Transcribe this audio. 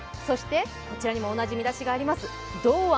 こちらにも同じ見出しがあります。